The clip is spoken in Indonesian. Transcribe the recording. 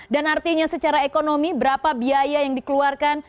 dan artinya secara ekonomi berapa biaya yang dikeluarkan